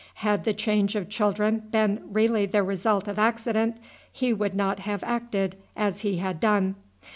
Had the change of children been really the result of accident, he would not have acted as he had done.